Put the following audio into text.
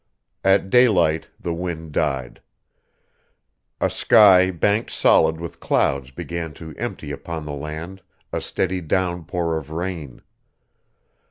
At daylight the wind died. A sky banked solid with clouds began to empty upon the land a steady downpour of rain.